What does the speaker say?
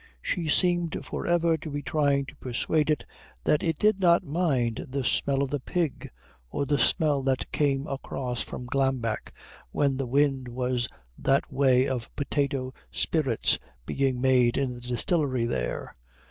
She seemed for ever to be trying to persuade it that it did not mind the smell of the pig, or the smell that came across from Glambeck when the wind was that way of potato spirits being made in the distillery there.